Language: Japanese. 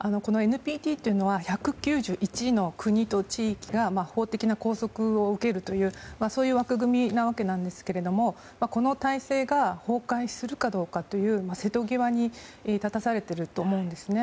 このＮＰＴは１９１の国と地域が法的な拘束を受けるという枠組みなわけですがこの体制が崩壊するかどうかという瀬戸際に立たされていると思うんですね。